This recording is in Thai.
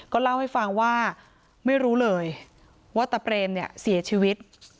เล่าให้ฟังว่าไม่รู้เลยว่าตะเปรมเนี่ยเสียชีวิต